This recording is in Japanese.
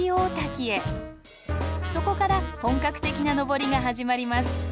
そこから本格的な登りが始まります。